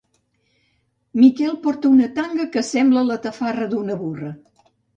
Miquel porta un tanga que sembla la tafarra d'una burra.